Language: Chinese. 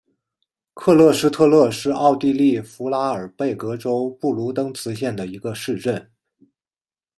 克勒施特勒是奥地利福拉尔贝格州布卢登茨县的一个市镇。